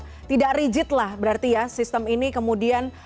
jadi kalau kita lihat di sistem ini kita bisa lihat bahwa sistem ini tidak rigid lah